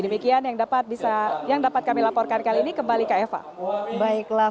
demikian yang dapat bisa yang dapat kami laporkan kali ini kembali ke eva baiklah